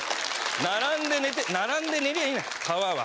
並んで寝て並んで寝りゃいいの「川」は。